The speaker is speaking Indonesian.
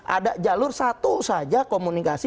ada jalur satu saja komunikasi